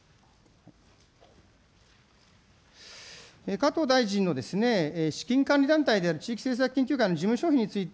加藤大臣の資金管理団体である地域政策研究会の事務所費について